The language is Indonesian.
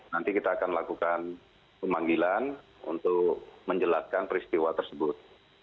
nanti kita akan lakukan pemanggilan untuk menjelaskan peristiwa tersebut